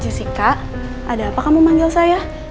jessica ada apa kamu manggil saya